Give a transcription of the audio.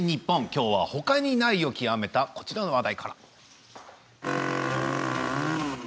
きょうは、ほかにないを極めたこちらの話題から。